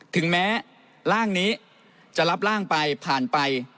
ถึงแม้ร่างนี้จะรับร่างไปผ่านไป